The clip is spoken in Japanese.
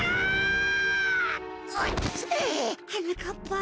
はなかっぱ。